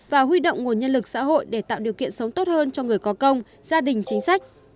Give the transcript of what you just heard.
và huy động nguồn nhân lực xã hội để tạo điều kiện sống tốt hơn cho người có công gia đình chính sách